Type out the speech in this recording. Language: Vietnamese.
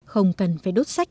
không cần phải đốt sách